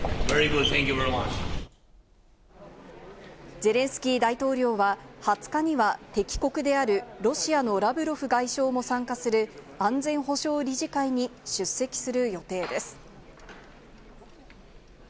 ゼレンスキー大統領は２０日には敵国である、ロシアのラブロフ外相も参加する安全保障理事会に出席する予定です。